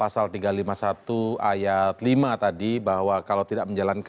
sampai jumpa di video selanjutnya